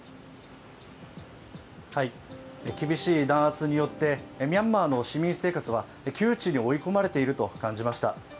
厳しい弾圧によってミャンマーの市民生活は窮地に追い込まれていると感じました。